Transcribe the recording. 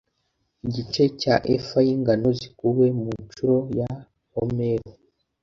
igice cya efa y’ingano zikuwe mu ncuro ya homeru